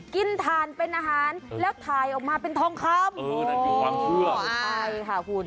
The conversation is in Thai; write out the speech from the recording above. กินทานเป็นอาหารแล้วทายออกมาเป็นทองคำ